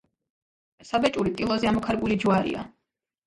საბეჭური ტილოზე ამოქარგული ჯვარია.